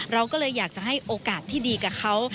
เราก็เลยอยากจะให้โอกาสที่ดีกับเขา